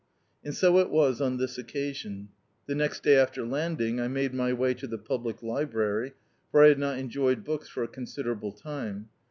And so it was on this occasion. The next day after landing, I made my way to the public library, for I had not enjoyed books for a considerable time.